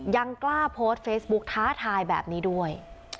ยังกล้าโพสต์เฟซบุ๊กท้าทายแบบนี้ด้วย